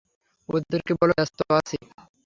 ওদেরকে বলো ব্যস্ত আছি।